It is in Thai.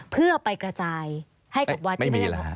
เพื่อไปกระจายให้กับวัตถ์ไม่ได้หรือเปล่า